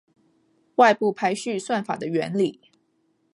外部排序算法的原理